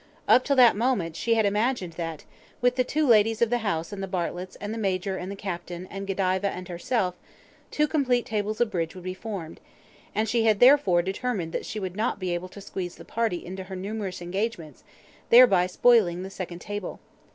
Up till that moment she had imagined that, with the two ladies of the house and the Bartletts and the Major and the Captain and Godiva and herself, two complete tables of bridge would be formed, and she had, therefore, determined that she would not be able to squeeze the party into her numerous engagements, thereby spoiling the second table.